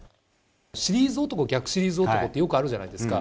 シリーズ男、逆シリーズ男って、よくあるじゃないですか。